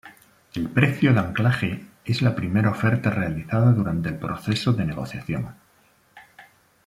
El precio de anclaje es la primera oferta realizada durante el proceso de negociación.